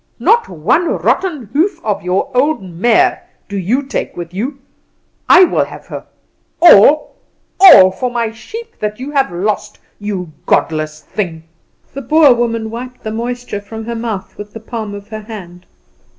Not one rotten hoof of your old mare do you take with you; I will have her all, all for my sheep that you have lost, you godless thing!" The Boer woman wiped the moisture from her mouth with the palm of her hand.